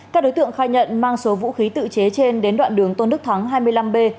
các đối tượng khai nhận mang số vũ khí tự chế trên đến đoạn đường tôn đức thắng hai mươi năm b